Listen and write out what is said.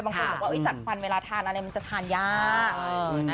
บางคนบอกว่าจัดฟันเวลาทานอะไรมันจะทานยาก